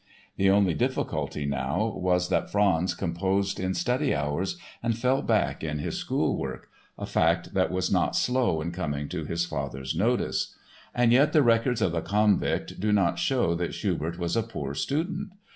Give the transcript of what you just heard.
The only difficulty, now, was that Franz composed in study hours and fell back in his school work, a fact that was not slow in coming to his father's notice. And yet the records of the Konvikt do not show that Schubert was a poor student.